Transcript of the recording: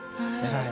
はい。